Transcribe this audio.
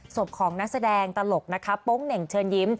ของนักแสดงตลกนะคะโป๊งเหน่งเชิญยิ้ม